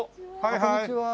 こんにちは。